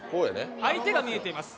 相手が見えてます。